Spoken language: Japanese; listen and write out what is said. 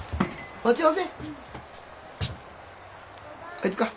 あいつか？